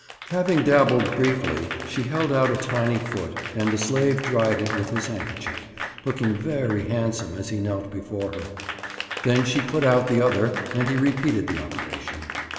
Having dabbled briefly, she held out a tiny foot and the slave dried it with his handkerchief, looking very handsome as he knelt before her. Then she put out the other and he repeated the operation.